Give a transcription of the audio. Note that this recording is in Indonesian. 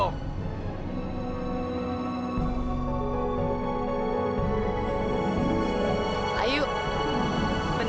nanti aku pake